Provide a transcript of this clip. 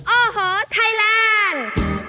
โอ้โหไทยแลนด์